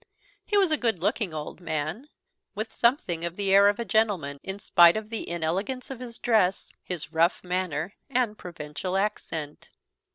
He was a good looking old man, with something the air of a gentleman, in spite of the inelegance of his dress, his rough manner, and provincial accent.